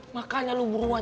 makanya lo buruan